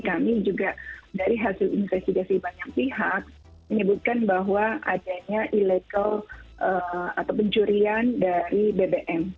kami juga dari hasil investigasi banyak pihak menyebutkan bahwa adanya illegal atau pencurian dari bbm